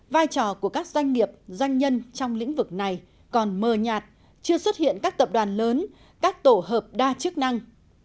vai trò của các doanh nghiệp doanh nhân trong lĩnh vực này còn mờ nhạt chưa xuất hiện các tập đoàn lớn các tổ hợp đa chức năng